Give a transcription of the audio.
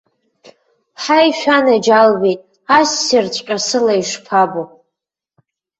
Ҳаи, шәанаџьалбеит, ассирҵәҟьа сыбла ишԥабо!